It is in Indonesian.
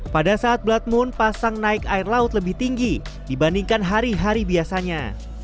pada saat blood moon pasang naik air laut lebih tinggi dibandingkan hari hari biasanya